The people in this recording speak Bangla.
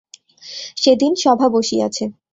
সেদিন সভা বসিয়াছে।